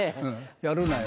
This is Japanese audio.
やるなよ？